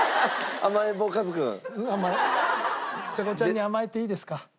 ちさ子ちゃんに甘えていいですか？